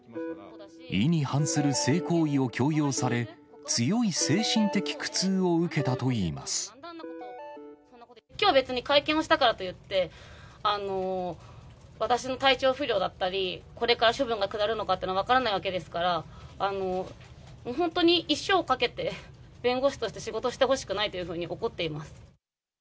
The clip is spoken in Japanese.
意に反する性行為を強要され、強い精神的苦痛を受けたといいまきょう別に、会見をしたからといって、私の体調不良だったり、これから処分が下るのかっていうのは分からないわけですから、本当に一生をかけて、弁護士として仕事してほしくないというふうに怒っています。